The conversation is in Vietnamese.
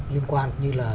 liên quan như là